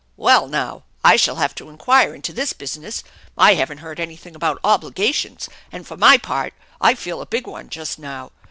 " Well, now I shall have to inquire into this business. I haven't heard anything about obligations, and for my part I feel a big one just now.